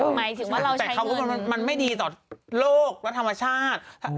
หมายถึงว่าเรามันไม่ดีต่อโลกและธรรมชาติ